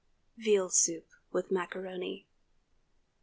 VEAL SOUP WITH MACARONI.